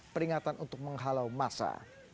peringatan untuk menghalau massa